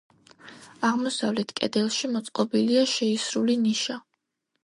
აღმოსავლეთ კედელში მოწყობილია შეისრული ნიშა.